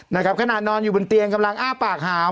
นะครับขนาดนอนอยู่บนเตียงกำลังอ้าปากหาว